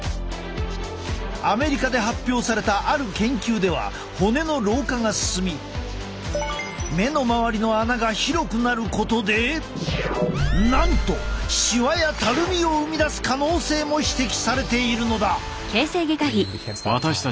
アメリカで発表されたある研究では骨の老化が進み目の周りの穴が広くなることでなんとしわやたるみを生み出す可能性も指摘されているのだ。